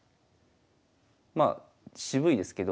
まあ渋いですけど。